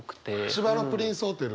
芝のプリンスホテル。